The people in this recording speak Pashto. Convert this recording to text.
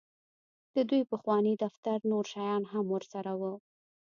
د دوی د پخواني دفتر نور شیان هم ورسره وو